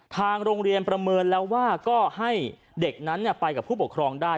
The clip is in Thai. ทางโรงเรียนประเมินแล้วว่าก็ให้เด็กนั้นไปกับผู้ปกครองได้